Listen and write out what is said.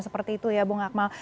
seperti itu ya bung akmal